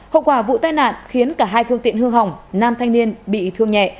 hậu quả vụ tai nạn khiến cả hai phương tiện hương hỏng nam thanh niên bị thương nhẹ